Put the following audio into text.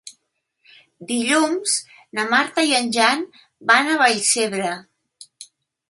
Dilluns na Marta i en Jan van a Vallcebre.